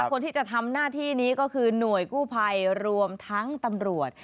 คนที่จะทำหน้าที่นี้ก็คือหน่วยกู้ภัยรวมทั้งตำรวจ